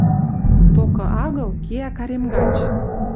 Токы агыл, кеӓ карем гач.